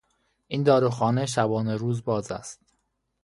این داروخانه شبانهروز باز است.